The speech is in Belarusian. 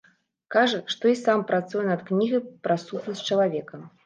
Кажа, што і сам працуе над кнігай пра сутнасць чалавека.